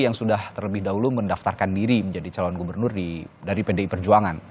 yang sudah terlebih dahulu mendaftarkan diri menjadi calon gubernur dari pdi perjuangan